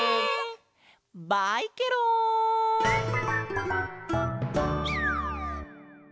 バイケロン！